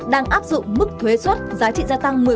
đang áp dụng mức thuế xuất giá trị gia tăng một mươi